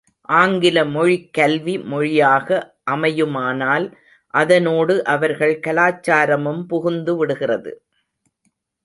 ஆங்கில மொழிக் கல்வி மொழியாக அமையுமானால் அதனோடு அவர்கள் கலாச்சாரமும் புகுந்துவிடுகிறது.